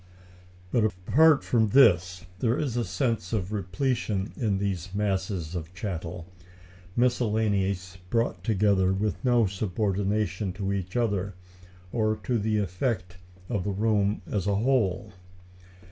But, apart from this, there is a sense of repletion in these masses of chattel miscellanies brought together with no subordination to each other, or to the effect of the room as a whole.